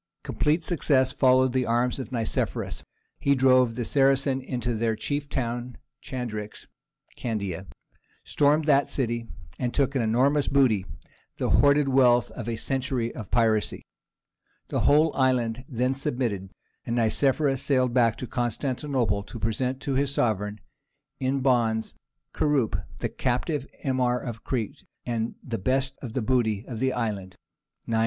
Complete success followed the arms of Nicephorus. He drove the Saracens into their chief town Chandax (Candia), stormed that city, and took an enormous booty—the hoarded wealth of a century of piracy. The whole island then submitted, and Nicephorus sailed back to Constantinople to present to his sovereign, in bonds, Kurup the captive Emir of Crete, and all the best of the booty of the island [961 A.